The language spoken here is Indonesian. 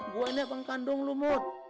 gua ini abang kandung lu mut